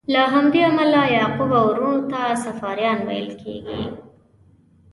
له همدې امله یعقوب او وروڼو ته صفاریان ویل کیږي.